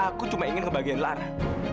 aku cuma ingin kebahagiaan lara